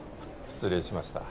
失礼しました。